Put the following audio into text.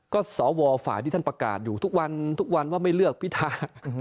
ก็สวฝ่ายที่ท่านประกาศอยู่ทุกวันทุกวันว่าไม่เลือกพิธา